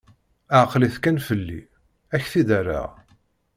Ɛkel-it kan fell-i, ad k-t-id-rreɣ.